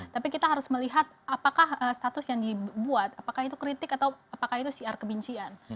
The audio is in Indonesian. tapi kita harus melihat apakah status yang dibuat apakah itu kritik atau apakah itu siar kebencian